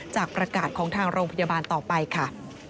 จากประกาศของทางโรงพยาบาลต่อไปค่ะ